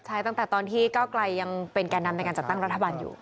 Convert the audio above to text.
ใช่ตั้งแต่ตอนที่เก้าไกลยังเป็นแก่นำในการจัดตั้งรัฐบาลอยู่